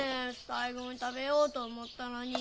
最後に食べようと思ったのにぃ。